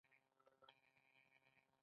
کبان اروپا ته صادرېدل.